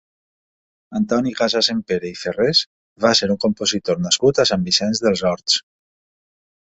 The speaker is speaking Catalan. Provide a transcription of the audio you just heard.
Antoni Casasampere i Ferrés va ser un compositor nascut a Sant Vicenç dels Horts.